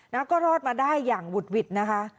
แล้วก็รอดมาได้อย่างหุดหวิดนะคะ